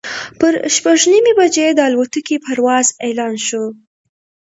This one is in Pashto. پر شپږ نیمې بجې د الوتکې پرواز اعلان شو.